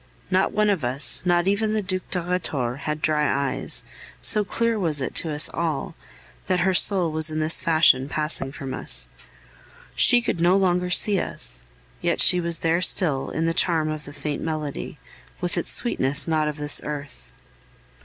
Not one of us, not even the Duc de Rhetore, had dry eyes, so clear was it to us all that her soul was in this fashion passing from us. She could no longer see us! Yet she was there still in the charm of the faint melody, with its sweetness not of this earth.